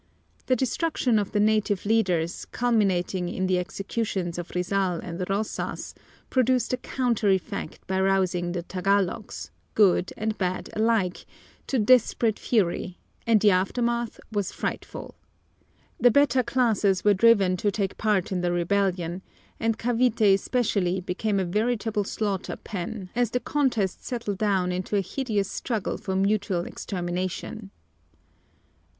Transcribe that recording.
The destruction of the native leaders, culminating in the executions of Rizal and Roxas, produced a counter effect by rousing the Tagalogs, good and bad alike, to desperate fury, and the aftermath was frightful. The better classes were driven to take part in the rebellion, and Cavite especially became a veritable slaughter pen, as the contest settled down into a hideous struggle for mutual extermination.